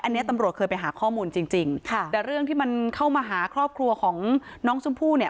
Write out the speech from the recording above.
อันนี้ตำรวจเคยไปหาข้อมูลจริงจริงค่ะแต่เรื่องที่มันเข้ามาหาครอบครัวของน้องชมพู่เนี่ย